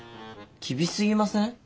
厳しすぎません？